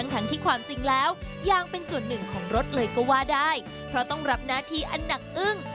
ทั้งที่ความจริงแล้วยางเป็นส่วนหนึ่งของรถเลยก็ว่าได้เพราะต้องรับหน้าที่อันหนักอึ้ง